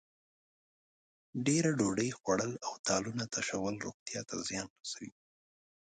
ډېره ډوډۍ خوړل او تالونه تشول روغتیا ته زیان رسوي.